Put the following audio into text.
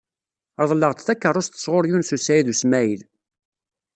Reḍleɣ-d takeṛṛust sɣur Yunes u Saɛid u Smaɛil.